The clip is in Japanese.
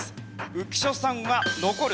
浮所さんは「残る」